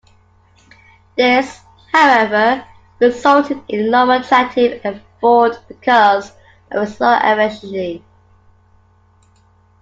This, however, resulted in lower tractive effort because of its low efficiency.